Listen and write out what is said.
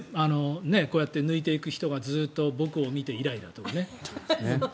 こうやって抜いていく人がずっと僕を見てイライラとかね。